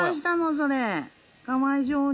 それ。